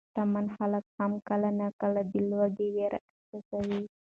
شتمن خلک هم کله ناکله د لوږې وېره احساسوي.